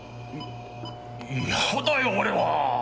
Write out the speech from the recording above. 嫌だよ俺は！